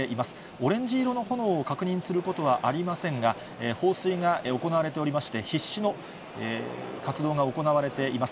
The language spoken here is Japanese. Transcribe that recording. オレンジ色の炎を確認することはありませんが、放水が行われておりまして、必死の活動が行われています。